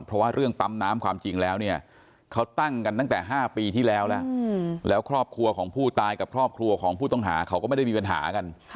เพราะว่าเรื่องปั๊มน้ำความจริงแล้วเนี่ยเขาตั้งกันตั้งแต่๕ปีที่แล้วแล้วครอบครัวของผู้ตายกับครอบครัวของผู้ต้องหาเขาก็ไม่ได้มีปัญหากัน